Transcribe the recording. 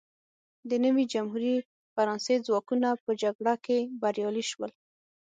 د نوې جمهوري فرانسې ځواکونه په جګړه کې بریالي شول.